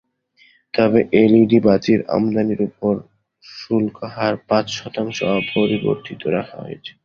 তবে এলইডি বাতির আমদানির ওপর শুল্কহার পাঁচ শতাংশ অপরিবর্তিত রাখা হয়েছে।